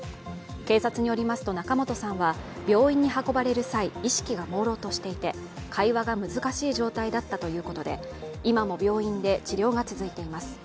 警察によりますと仲本さんは病院に運ばれる際、意識がもうろうとしていて会話が難しい状態だったということで今も病院で治療が続いています。